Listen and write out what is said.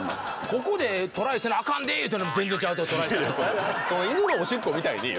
「ここでトライせなアカンで」いうたのに全然ちゃう所でトライしたり。